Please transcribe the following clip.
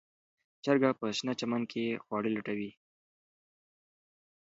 چرګه په شنه چمن کې خواړه لټوي.